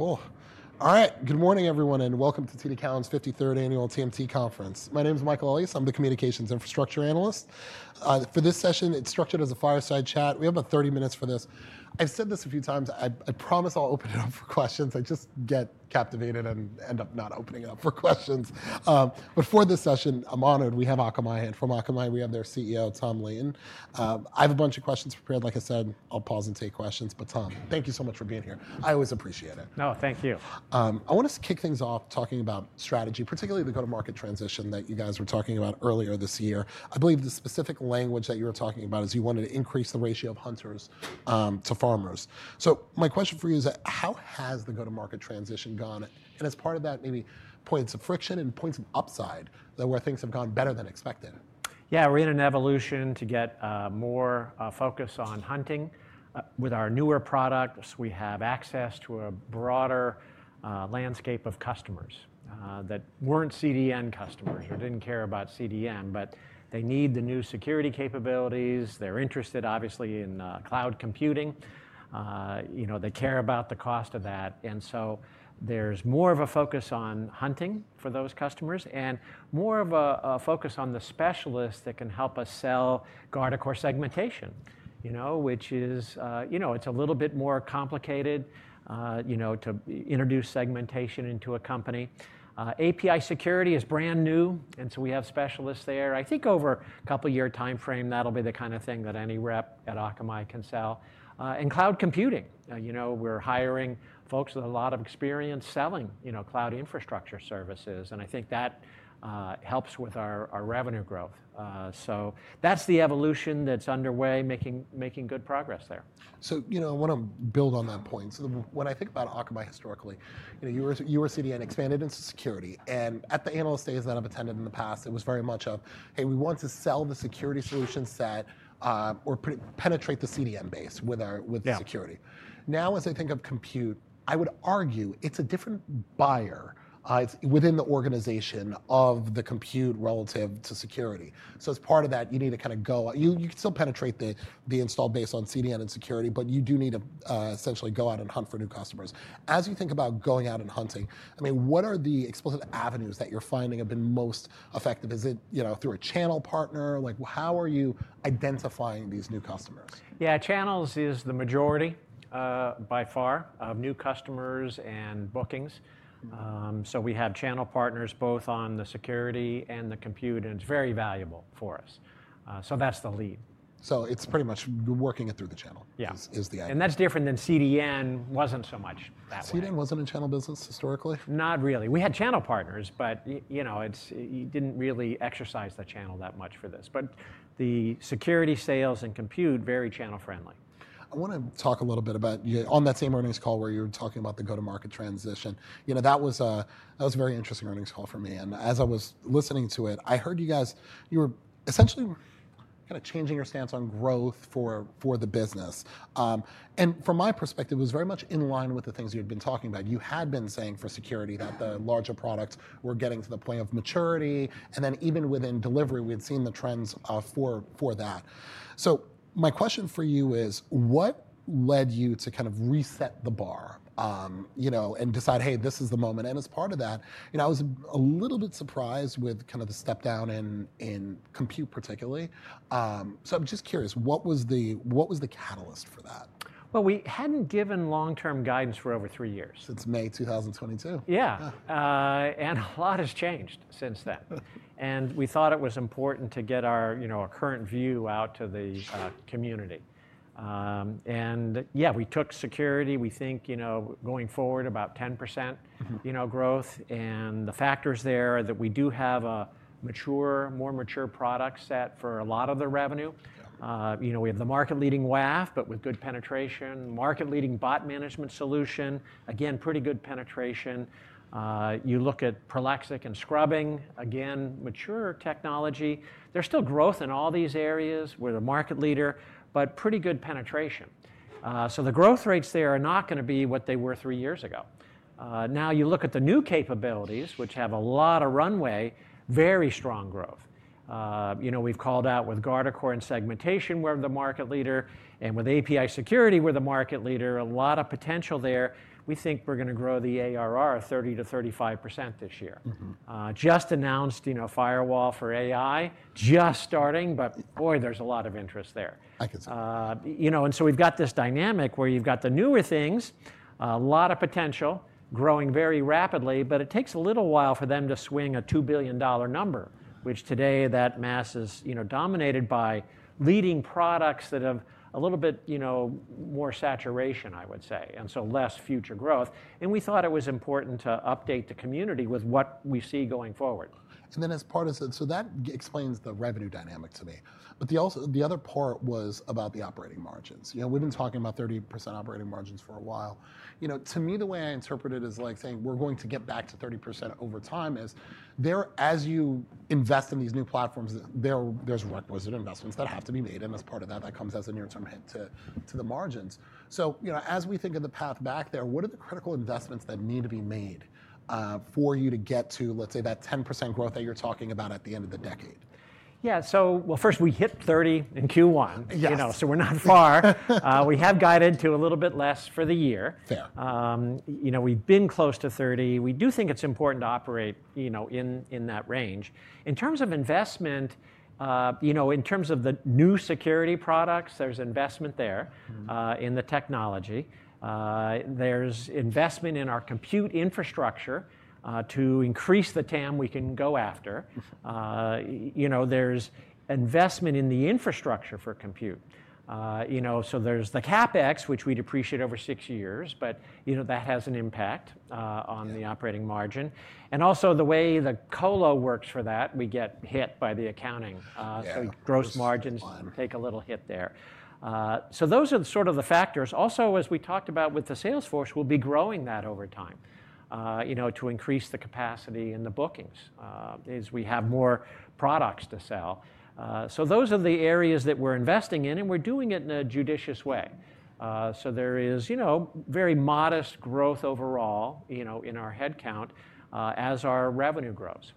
Okay, cool. All right, good morning, everyone, and welcome to TD Cowen's 53rd Annual TMT Conference. My name is Michael Ellias. I'm the Communications Infrastructure Analyst. For this session, it's structured as a fireside chat. We have about 30 minutes for this. I've said this a few times. I promise I'll open it up for questions. I just get captivated and end up not opening it up for questions. For this session, I'm honored. We have Akamai. And from Akamai, we have their CEO, Tom Leighton. I have a bunch of questions prepared. Like I said, I'll pause and take questions. Tom, thank you so much for being here. I always appreciate it. No, thank you. I want to kick things off talking about strategy, particularly the go-to-market transition that you guys were talking about earlier this year. I believe the specific language that you were talking about is you wanted to increase the ratio of hunters to farmers. My question for you is, how has the go-to-market transition gone? As part of that, maybe points of friction and points of upside where things have gone better than expected. Yeah, we're in an evolution to get more focus on hunting. With our newer products, we have access to a broader landscape of customers that weren't CDN customers or didn't care about CDN. But they need the new security capabilities. They're interested, obviously, in cloud computing. They care about the cost of that. There is more of a focus on hunting for those customers and more of a focus on the specialists that can help us sell Guardicore Segmentation, which is, you know, it's a little bit more complicated to introduce segmentation into a company. API Security is brand new. And so we have specialists there. I think over a couple-year time frame, that'll be the kind of thing that any rep at Akamai can sell. Cloud computing, we're hiring folks with a lot of experience selling cloud infrastructure services. I think that helps with our revenue growth. That is the evolution that is underway, making good progress there. I want to build on that point. When I think about Akamai historically, you were CDN, expanded into security. At the analyst days that I've attended in the past, it was very much of, hey, we want to sell the security solution set or penetrate the CDN base with security. Now, as I think of compute, I would argue it's a different buyer within the organization of the compute relative to security. As part of that, you need to kind of go out. You can still penetrate the installed base on CDN and security, but you do need to essentially go out and hunt for new customers. As you think about going out and hunting, I mean, what are the explicit avenues that you're finding have been most effective? Is it through a channel partner? How are you identifying these new customers? Yeah, channels is the majority by far of new customers and bookings. We have channel partners both on the security and the compute. It is very valuable for us. That is the lead. It's pretty much working it through the channel is the idea. Yeah. That's different than CDN. Wasn't so much that way. CDN wasn't a channel business historically? Not really. We had channel partners, but you did not really exercise the channel that much for this. The security sales and compute are very channel-friendly. I want to talk a little bit about on that same earnings call where you were talking about the go-to-market transition. That was a very interesting earnings call for me. As I was listening to it, I heard you guys, you were essentially kind of changing your stance on growth for the business. From my perspective, it was very much in line with the things you had been talking about. You had been saying for security that the larger products were getting to the point of maturity. Even within delivery, we had seen the trends for that. My question for you is, what led you to kind of reset the bar and decide, hey, this is the moment? As part of that, I was a little bit surprised with kind of the step down in compute particularly. I'm just curious, what was the catalyst for that? We hadn't given long-term guidance for over three years. Since May 2022. Yeah. A lot has changed since then. We thought it was important to get our current view out to the community. Yeah, we took security. We think going forward about 10% growth. The factors there are that we do have a more mature product set for a lot of the revenue. We have the market-leading WAF, but with good penetration. Market-leading bot management solution. Again, pretty good penetration. You look at Prolexic and scrubbing. Again, mature technology. There is still growth in all these areas. We are the market leader, but pretty good penetration. The growth rates there are not going to be what they were three years ago. You look at the new capabilities, which have a lot of runway, very strong growth. We've called out with Guardicore and segmentation where the market leader and with API Security where the market leader, a lot of potential there. We think we're going to grow the ARR 30%-35% this year. Just announced Firewall for AI, just starting. But boy, there's a lot of interest there. I can see. We have this dynamic where you have the newer things, a lot of potential, growing very rapidly. It takes a little while for them to swing a $2 billion number, which today that mass is dominated by leading products that have a little bit more saturation, I would say, and so less future growth. We thought it was important to update the community with what we see going forward. That explains the revenue dynamic to me. The other part was about the operating margins. We've been talking about 30% operating margins for a while. To me, the way I interpret it is like saying we're going to get back to 30% over time. As you invest in these new platforms, there are requisite investments that have to be made. As part of that, that comes as a near-term hit to the margins. As we think of the path back there, what are the critical investments that need to be made for you to get to, let's say, that 10% growth that you're talking about at the end of the decade? Yeah. So first, we hit 30% in Q1. We're not far. We have guided to a little bit less for the year. We've been close to 30%. We do think it's important to operate in that range. In terms of investment, in terms of the new security products, there's investment there in the technology. There's investment in our compute infrastructure to increase the TAM we can go after. There's investment in the infrastructure for compute. There's the CapEx, which we depreciate over six years. That has an impact on the operating margin. Also the way the colo works for that, we get hit by the accounting. Gross margins take a little hit there. Those are sort of the factors. Also, as we talked about with the Salesforce, we'll be growing that over time to increase the capacity in the bookings as we have more products to sell. Those are the areas that we're investing in. We're doing it in a judicious way. There is very modest growth overall in our headcount as our revenue grows.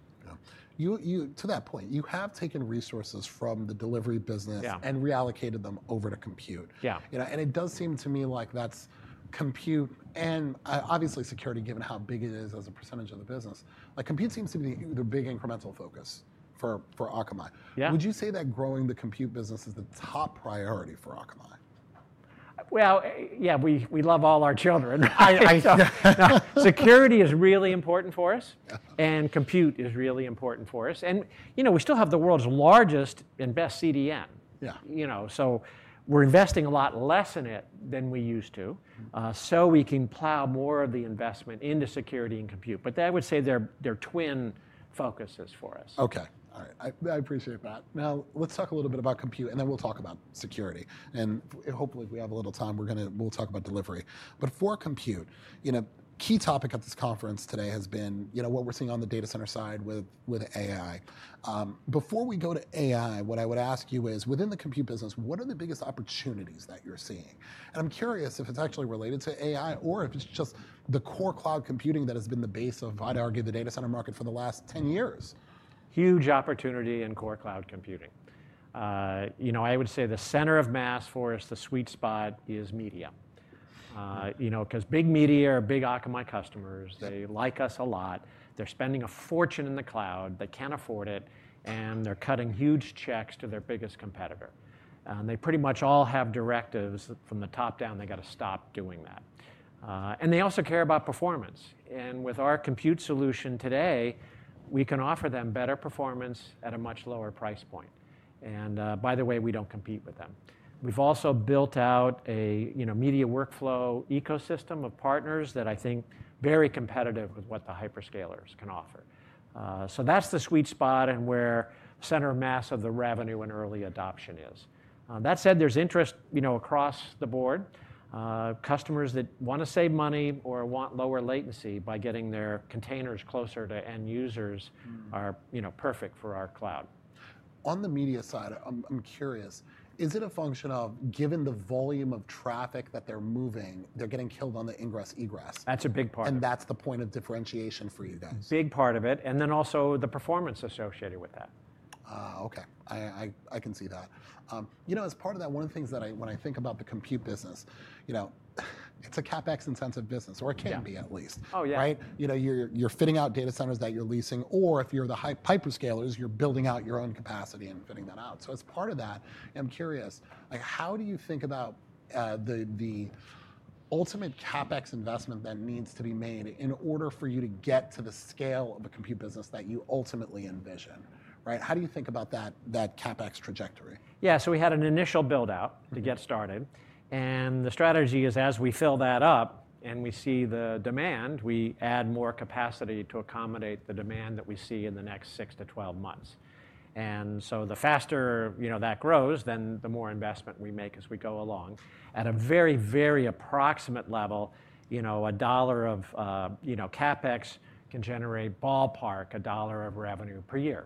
To that point, you have taken resources from the delivery business and reallocated them over to compute. It does seem to me like that's compute and obviously security, given how big it is as a percentage of the business. Compute seems to be the big incremental focus for Akamai. Would you say that growing the compute business is the top priority for Akamai? Yeah, we love all our children. Security is really important for us. And compute is really important for us. We still have the world's largest and best CDN. We are investing a lot less in it than we used to, so we can plow more of the investment into security and compute. I would say they are twin focuses for us. Okay. All right. I appreciate that. Now let's talk a little bit about compute. And then we'll talk about security. And hopefully, if we have a little time, we'll talk about delivery. For compute, a key topic at this conference today has been what we're seeing on the data center side with AI. Before we go to AI, what I would ask you is, within the compute business, what are the biggest opportunities that you're seeing? I'm curious if it's actually related to AI or if it's just the core cloud computing that has been the base of, I'd argue, the data center market for the last 10 years. Huge opportunity in core cloud computing. I would say the center of mass for us, the sweet spot, is media. Because big media are big Akamai customers. They like us a lot. They're spending a fortune in the cloud. They can't afford it. They're cutting huge checks to their biggest competitor. They pretty much all have directives from the top down. They've got to stop doing that. They also care about performance. With our compute solution today, we can offer them better performance at a much lower price point. By the way, we don't compete with them. We've also built out a media workflow ecosystem of partners that I think are very competitive with what the hyperscalers can offer. That is the sweet spot and where center of mass of the revenue and early adoption is. That said, there's interest across the board. Customers that want to save money or want lower latency by getting their containers closer to end users are perfect for our cloud. On the media side, I'm curious, is it a function of, given the volume of traffic that they're moving, they're getting killed on the ingress/egress? That's a big part of it. That's the point of differentiation for you guys? Big part of it. Also the performance associated with that. Okay. I can see that. As part of that, one of the things that when I think about the compute business, it's a CapEx-intensive business or it can be at least. Oh, yeah. Right? You're fitting out data centers that you're leasing. Or if you're the hyperscalers, you're building out your own capacity and fitting that out. As part of that, I'm curious, how do you think about the ultimate CapEx investment that needs to be made in order for you to get to the scale of a compute business that you ultimately envision? How do you think about that CapEx trajectory? Yeah. We had an initial build-out to get started. The strategy is, as we fill that up and we see the demand, we add more capacity to accommodate the demand that we see in the next six to twelve months. The faster that grows, then the more investment we make as we go along. At a very, very approximate level, a dollar of CapEx can generate ballpark a dollar of revenue per year.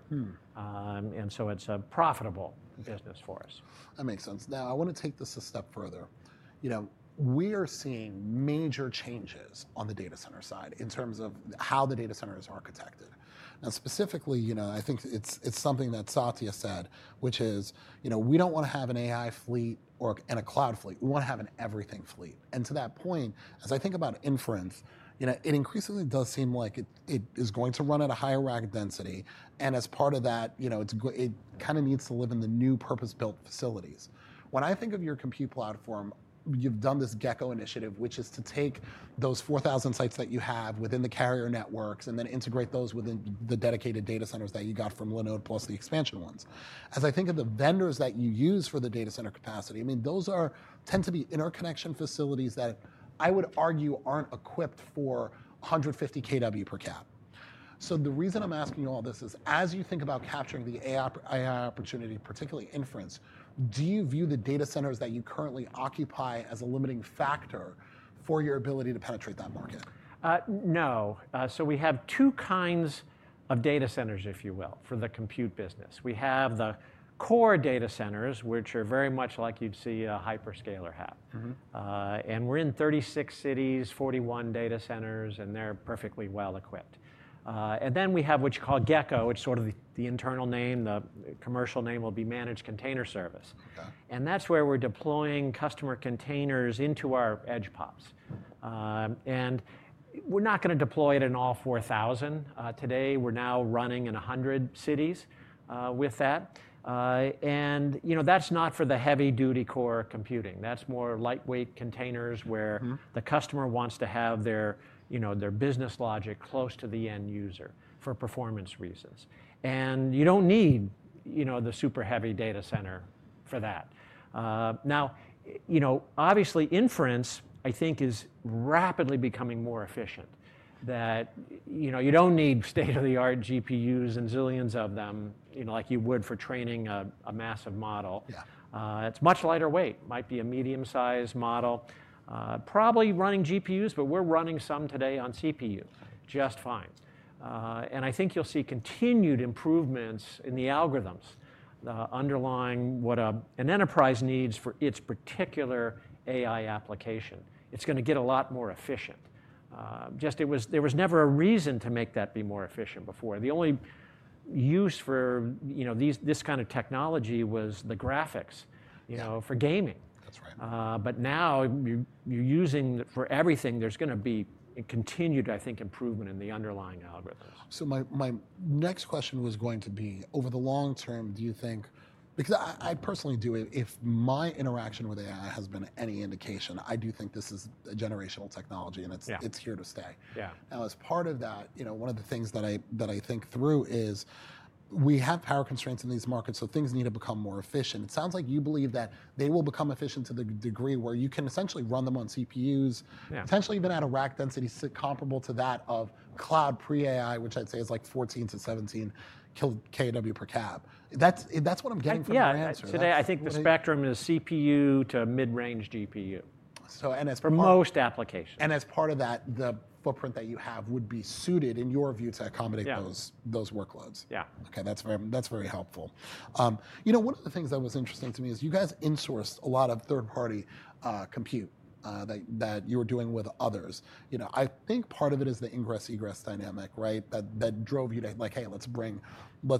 It is a profitable business for us. That makes sense. Now, I want to take this a step further. We are seeing major changes on the data center side in terms of how the data center is architected. Specifically, I think it is something that Satya said, which is we do not want to have an AI fleet and a cloud fleet. We want to have an everything fleet. To that point, as I think about inference, it increasingly does seem like it is going to run at a higher rack density. As part of that, it kind of needs to live in the new purpose-built facilities. When I think of your compute platform, you have done this Gecko initiative, which is to take those 4,000 sites that you have within the carrier networks and then integrate those within the dedicated data centers that you got from Linode plus the expansion ones. As I think of the vendors that you use for the data center capacity, I mean, those tend to be interconnection facilities that I would argue aren't equipped for 150 kW per cap. The reason I'm asking you all this is, as you think about capturing the AI opportunity, particularly inference, do you view the data centers that you currently occupy as a limiting factor for your ability to penetrate that market? No. We have two kinds of data centers, if you will, for the compute business. We have the core data centers, which are very much like you'd see a hyperscaler have. We're in 36 cities, 41 data centers. They're perfectly well equipped. We have what you call Gecko, which is sort of the internal name. The commercial name will be Managed Container Service. That's where we're deploying customer containers into our edge pops. We're not going to deploy it in all 4,000. Today, we're now running in 100 cities with that. That's not for the heavy-duty core computing. That's more lightweight containers where the customer wants to have their business logic close to the end user for performance reasons. You don't need the super heavy data center for that. Now, obviously, inference, I think, is rapidly becoming more efficient. You don't need state-of-the-art GPUs and zillions of them like you would for training a massive model. It's much lighter weight. It might be a medium-sized model, probably running GPUs. We're running some today on CPU just fine. I think you'll see continued improvements in the algorithms underlying what an enterprise needs for its particular AI application. It's going to get a lot more efficient. There was never a reason to make that be more efficient before. The only use for this kind of technology was the graphics for gaming. Now you're using it for everything. There's going to be continued, I think, improvement in the underlying algorithms. My next question was going to be, over the long term, do you think because I personally do, if my interaction with AI has been any indication, I do think this is a generational technology. It's here to stay. Now, as part of that, one of the things that I think through is we have power constraints in these markets. Things need to become more efficient. It sounds like you believe that they will become efficient to the degree where you can essentially run them on CPUs, potentially even at a rack density comparable to that of cloud pre-AI, which I'd say is like 14 kW-17 kW per cap. That's what I'm getting from your answer. Yeah. Today, I think the spectrum is CPU to mid-range GPU. So. It's for most applications. As part of that, the footprint that you have would be suited, in your view, to accommodate those workloads. Yeah. Okay. That is very helpful. One of the things that was interesting to me is you guys insourced a lot of third-party compute that you were doing with others. I think part of it is the ingress/egress dynamic, right, that drove you to like, hey, let's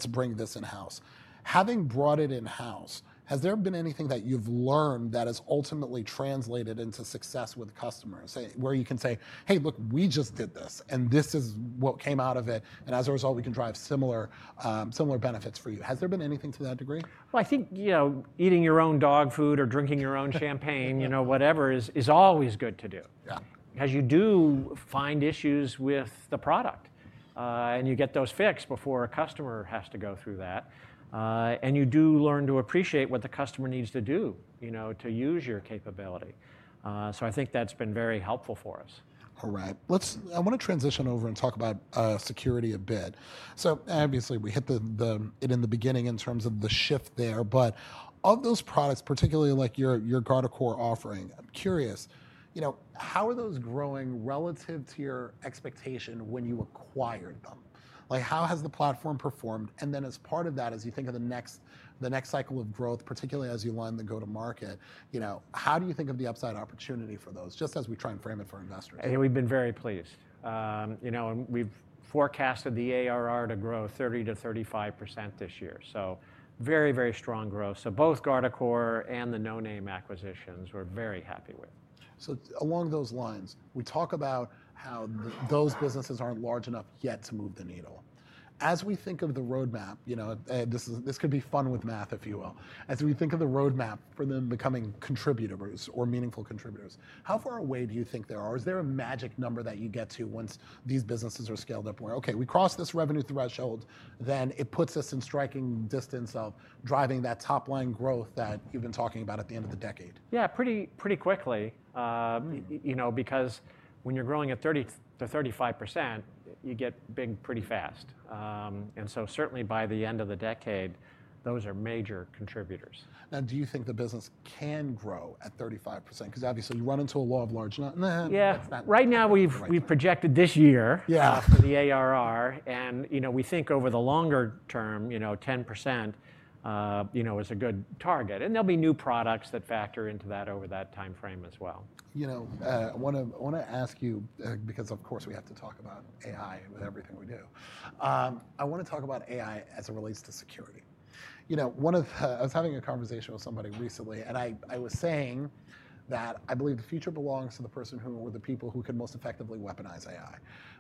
bring this in-house. Having brought it in-house, has there been anything that you have learned that has ultimately translated into success with customers where you can say, hey, look, we just did this. And this is what came out of it. As a result, we can drive similar benefits for you. Has there been anything to that degree? I think eating your own dog food or drinking your own champagne, whatever, is always good to do. Because you do find issues with the product. You get those fixed before a customer has to go through that. You do learn to appreciate what the customer needs to do to use your capability. I think that's been very helpful for us. All right. I want to transition over and talk about security a bit. Obviously, we hit it in the beginning in terms of the shift there. Of those products, particularly like your Guardicore offering, I'm curious, how are those growing relative to your expectation when you acquired them? How has the platform performed? As part of that, as you think of the next cycle of growth, particularly as you line the go-to-market, how do you think of the upside opportunity for those, just as we try and frame it for investors? I think we've been very pleased. We've forecasted the ARR to grow 30%-35% this year. Very, very strong growth. Both Guardicore and the No Name acquisitions we're very happy with. Along those lines, we talk about how those businesses aren't large enough yet to move the needle. As we think of the roadmap, this could be fun with math, if you will. As we think of the roadmap for them becoming contributors or meaningful contributors, how far away do you think they are? Is there a magic number that you get to once these businesses are scaled up? Where, OK, we cross this revenue threshold. Then it puts us in striking distance of driving that top-line growth that you've been talking about at the end of the decade. Yeah, pretty quickly. Because when you're growing at 30%-35%, you get big pretty fast. And so certainly, by the end of the decade, those are major contributors. Now, do you think the business can grow at 35%? Because obviously, you run into a law of large. Yeah. Right now, we've projected this year for the ARR. We think over the longer term, 10% is a good target. There'll be new products that factor into that over that time frame as well. I want to ask you, because of course, we have to talk about AI with everything we do, I want to talk about AI as it relates to security. I was having a conversation with somebody recently. I was saying that I believe the future belongs to the person who or the people who can most effectively weaponize AI.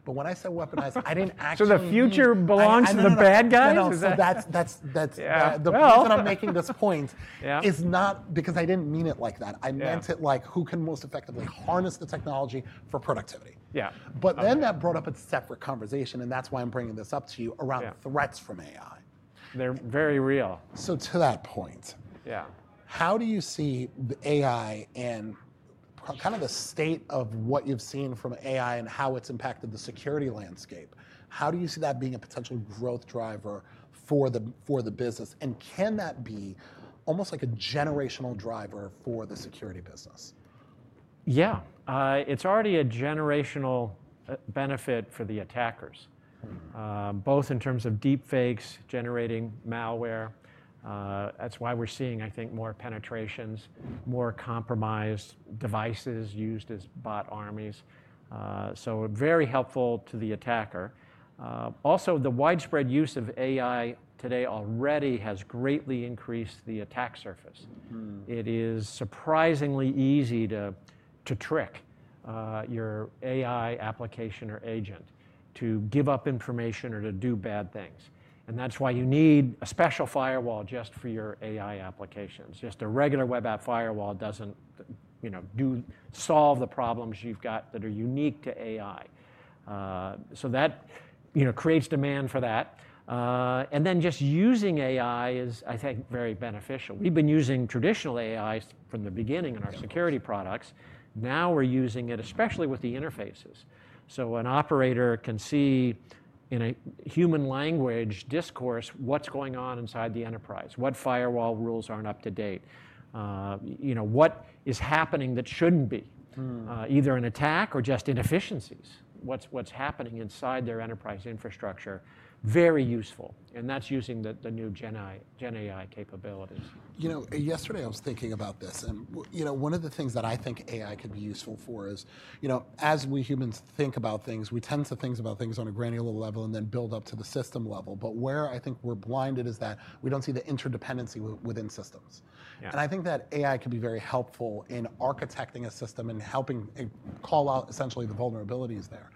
When I said weaponize, I didn't actually. The future belongs to the bad guys? No. No. That's the reason I'm making this point is not because I didn't mean it like that. I meant it like who can most effectively harness the technology for productivity. Yeah. That brought up a separate conversation. That is why I'm bringing this up to you around threats from AI. They're very real. To that point, how do you see the AI and kind of the state of what you've seen from AI and how it's impacted the security landscape? How do you see that being a potential growth driver for the business? Can that be almost like a generational driver for the security business? Yeah. It's already a generational benefit for the attackers, both in terms of deepfakes generating malware. That's why we're seeing, I think, more penetrations, more compromised devices used as bot armies. Very helpful to the attacker. Also, the widespread use of AI today already has greatly increased the attack surface. It is surprisingly easy to trick your AI application or agent to give up information or to do bad things. That is why you need a special firewall just for your AI applications. Just a regular web app firewall doesn't solve the problems you've got that are unique to AI. That creates demand for that. Just using AI is, I think, very beneficial. We've been using traditional AI from the beginning in our security products. Now we're using it, especially with the interfaces. An operator can see in a human language discourse what's going on inside the enterprise, what firewall rules aren't up to date, what is happening that shouldn't be, either an attack or just inefficiencies, what's happening inside their enterprise infrastructure. Very useful. And that's using the new GenAI capabilities. Yesterday, I was thinking about this. One of the things that I think AI could be useful for is, as we humans think about things, we tend to think about things on a granular level and then build up to the system level. Where I think we're blinded is that we don't see the interdependency within systems. I think that AI could be very helpful in architecting a system and helping call out essentially the vulnerabilities there.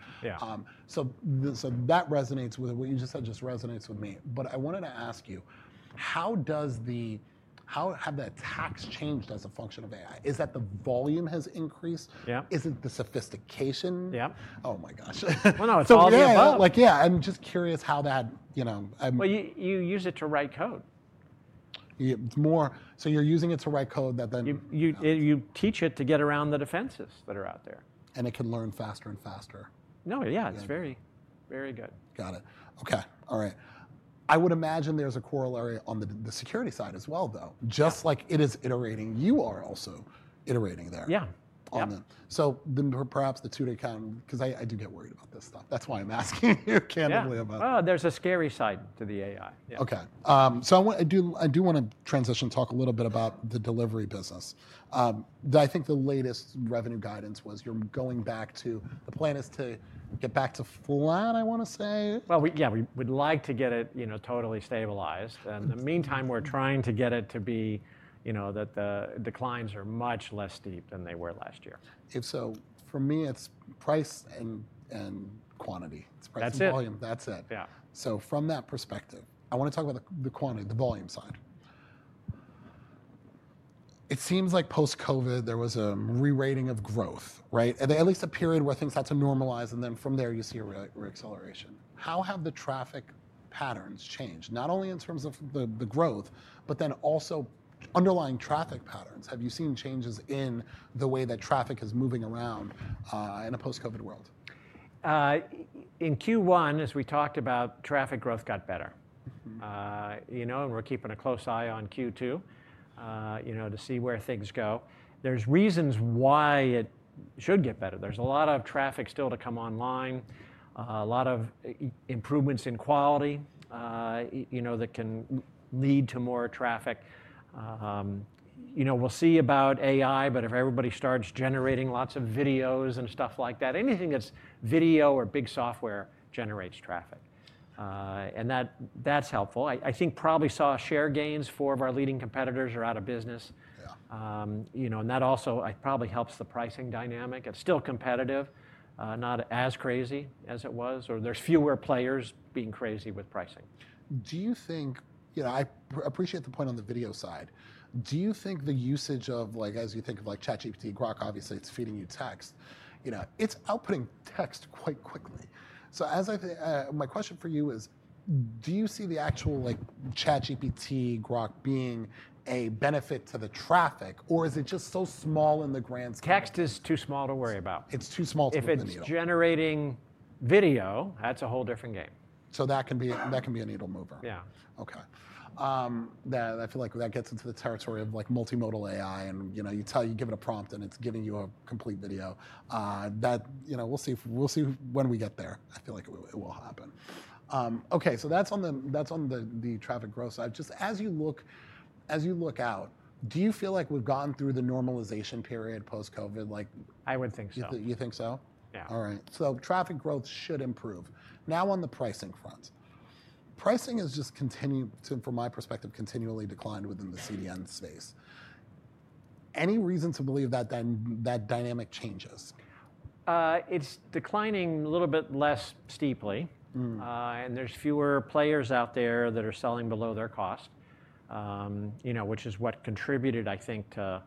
That resonates with what you just said, just resonates with me. I wanted to ask you, how have the attacks changed as a function of AI? Is it that the volume has increased? Is it the sophistication? Yeah. Oh my gosh. Well, no. So yeah. It's all about. Yeah. I'm just curious how that. You use it to write code. You're using it to write code that then. You teach it to get around the defenses that are out there. It can learn faster and faster. No. Yeah. It's very, very good. Got it. OK. All right. I would imagine there's a corollary on the security side as well, though. Just like it is iterating, you are also iterating there. Yeah. Perhaps the two to account, because I do get worried about this stuff. That's why I'm asking you candidly about. There's a scary side to the AI. OK. I do want to transition, talk a little bit about the delivery business. I think the latest revenue guidance was you're going back to the plan is to get back to plan, I want to say. Yeah. We'd like to get it totally stabilized. In the meantime, we're trying to get it to be that the declines are much less steep than they were last year. If so, for me, it's price and quantity. It's price and volume. That's it. That's it. Yeah. From that perspective, I want to talk about the volume side. It seems like post-COVID, there was a re-rating of growth, right? At least a period where things had to normalize. Then from there, you see a reacceleration. How have the traffic patterns changed, not only in terms of the growth, but then also underlying traffic patterns? Have you seen changes in the way that traffic is moving around in a post-COVID world? In Q1, as we talked about, traffic growth got better. We're keeping a close eye on Q2 to see where things go. There are reasons why it should get better. There is a lot of traffic still to come online, a lot of improvements in quality that can lead to more traffic. We'll see about AI. If everybody starts generating lots of videos and stuff like that, anything that's video or big software generates traffic, and that's helpful. I think probably saw share gains. Four of our leading competitors are out of business, and that also probably helps the pricing dynamic. It's still competitive, not as crazy as it was. There are fewer players being crazy with pricing. Do you think I appreciate the point on the video side. Do you think the usage of, as you think of ChatGPT, Grok, obviously, it's feeding you text. It's outputting text quite quickly. My question for you is, do you see the actual ChatGPT, Grok being a benefit to the traffic? Or is it just so small in the grand. Text is too small to worry about. It's too small to worry about. If it's generating video, that's a whole different game. That can be a needle mover. Yeah. OK. I feel like that gets into the territory of multimodal AI. And you give it a prompt, and it's giving you a complete video. We'll see when we get there. I feel like it will happen. OK. So that's on the traffic growth side. Just as you look out, do you feel like we've gone through the normalization period post-COVID? I would think so. You think so? Yeah. All right. So traffic growth should improve. Now, on the pricing front, pricing has just continued, from my perspective, continually declined within the CDN space. Any reason to believe that that dynamic changes? It's declining a little bit less steeply. There's fewer players out there that are selling below their cost, which is what contributed, I think, to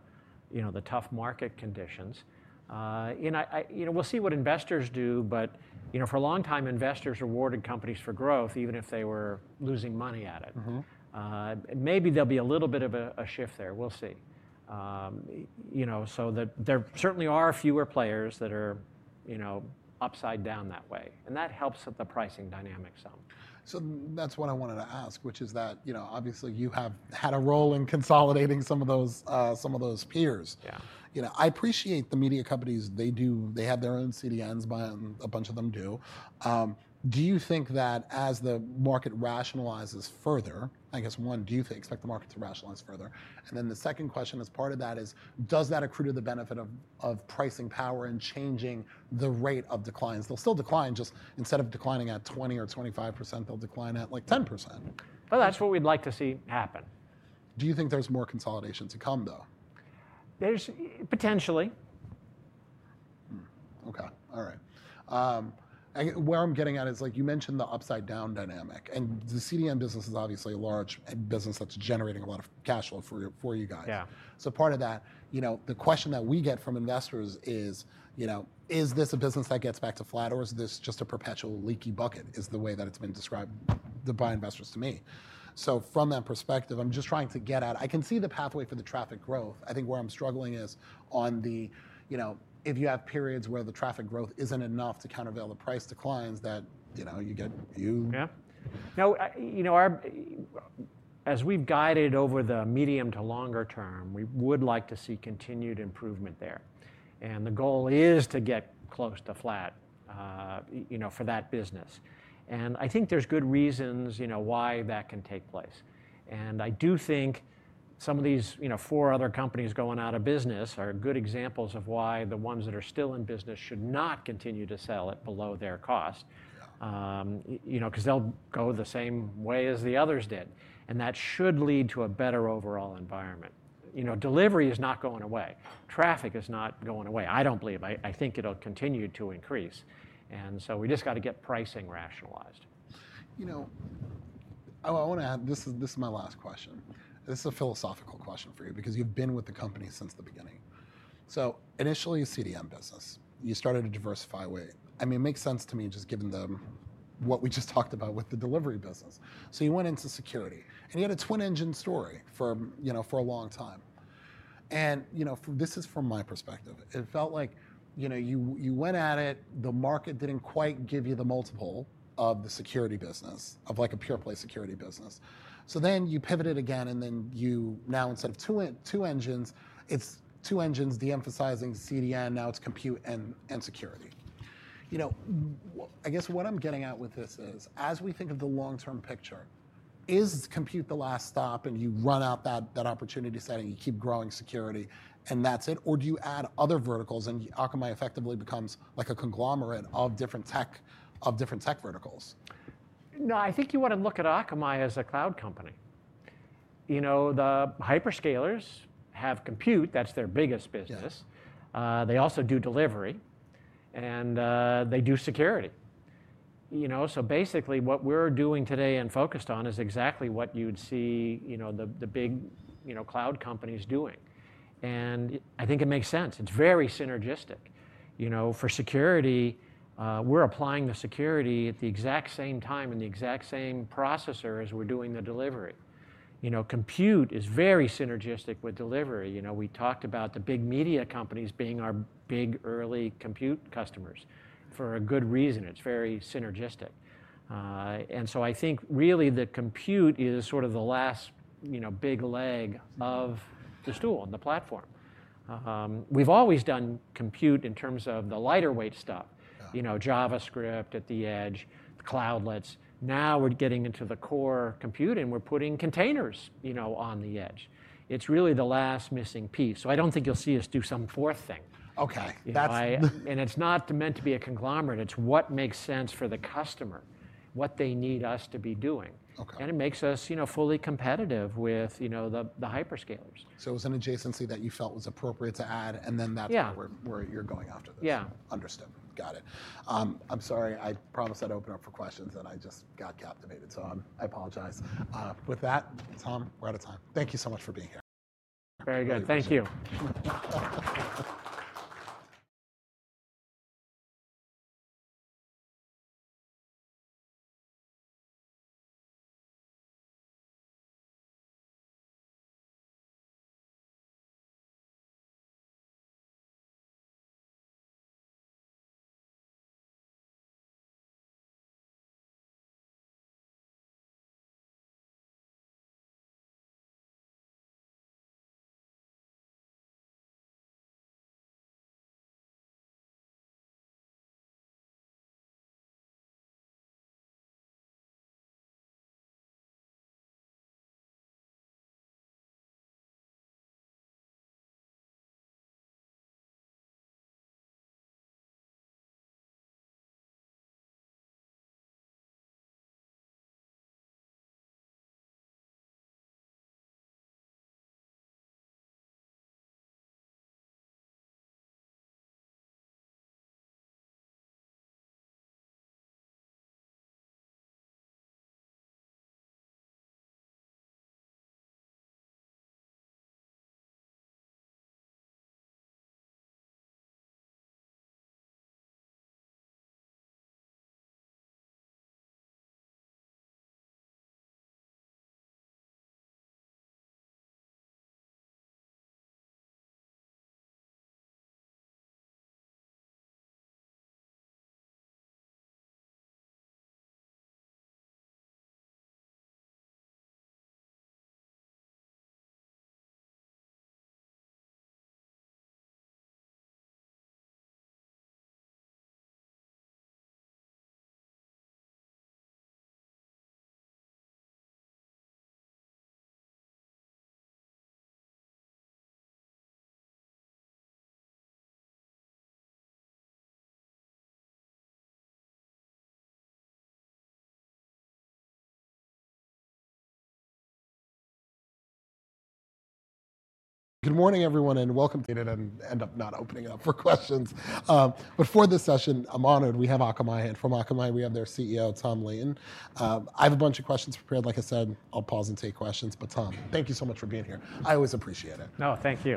the tough market conditions. We'll see what investors do. For a long time, investors rewarded companies for growth, even if they were losing money at it. Maybe there'll be a little bit of a shift there. We'll see. There certainly are fewer players that are upside down that way. That helps the pricing dynamic some. That's what I wanted to ask, which is that obviously, you have had a role in consolidating some of those peers. Yeah. I appreciate the media companies. They have their own CDNs. A bunch of them do. Do you think that as the market rationalizes further, I guess, one, do you expect the market to rationalize further? The second question as part of that is, does that accrue to the benefit of pricing power and changing the rate of declines? They'll still decline. Just instead of declining at 20% or 25%, they'll decline at like 10%. That's what we'd like to see happen. Do you think there's more consolidation to come, though? Potentially. OK. All right. Where I'm getting at is, you mentioned the upside down dynamic. The CDN business is obviously a large business that's generating a lot of cash flow for you guys. Yeah. Part of that, the question that we get from investors is, is this a business that gets back to flat? Or is this just a perpetual leaky bucket, is the way that it's been described by investors to me? From that perspective, I'm just trying to get at I can see the pathway for the traffic growth. I think where I'm struggling is on the if you have periods where the traffic growth isn't enough to countervail the price declines that you get. Yeah. Now, as we've guided over the medium to longer term, we would like to see continued improvement there. The goal is to get close to flat for that business. I think there's good reasons why that can take place. I do think some of these four other companies going out of business are good examples of why the ones that are still in business should not continue to sell it below their cost, because they'll go the same way as the others did. That should lead to a better overall environment. Delivery is not going away. Traffic is not going away, I don't believe. I think it'll continue to increase. We just got to get pricing rationalized. I want to add, this is my last question. This is a philosophical question for you, because you have been with the company since the beginning. Initially, CDN business. You started a diversified way. I mean, it makes sense to me, just given what we just talked about with the delivery business. You went into security. You had a twin engine story for a long time. This is from my perspective. It felt like you went at it. The market did not quite give you the multiple of the security business, of like a pure play security business. You pivoted again. Now, instead of two engines, it is two engines de-emphasizing CDN. Now it is compute and security. I guess what I am getting at with this is, as we think of the long-term picture, is compute the last stop? You run out that opportunity setting. You keep growing security. That is it? Do you add other verticals? Akamai effectively becomes like a conglomerate of different tech verticals. No. I think you want to look at Akamai as a cloud company. The hyperscalers have compute. That's their biggest business. They also do delivery. They do security. Basically, what we're doing today and focused on is exactly what you'd see the big cloud companies doing. I think it makes sense. It's very synergistic. For security, we're applying the security at the exact same time and the exact same processor as we're doing the delivery. Compute is very synergistic with delivery. We talked about the big media companies being our big early compute customers for a good reason. It's very synergistic. I think, really, the compute is sort of the last big leg of the stool and the platform. We've always done compute in terms of the lighter weight stuff, JavaScript at the edge, Cloudlets. Now we're getting into the core compute. We're putting containers on the edge. It's really the last missing piece. I don't think you'll see us do some fourth thing. OK. It is not meant to be a conglomerate. It is what makes sense for the customer, what they need us to be doing. It makes us fully competitive with the hyperscalers. It was an adjacency that you felt was appropriate to add. And then that's where you're going after this. Yeah. Understood. Got it. I'm sorry. I promised I'd open up for questions. I just got captivated. I apologize. With that, Tom, we're out of time. Thank you so much for being here. Very good. Thank you. Good morning, everyone. Welcome. I am not opening it up for questions. For this session, I'm honored. We have Akamai. From Akamai, we have their CEO, Tom Leighton. I have a bunch of questions prepared. Like I said, I'll pause and take questions. Tom, thank you so much for being here. I always appreciate it. No, thank you.